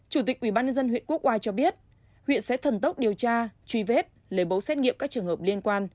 chủ tịch ubnd huyện quốc oai cho biết huyện sẽ thần tốc điều tra truy vết lấy mẫu xét nghiệm các trường hợp liên quan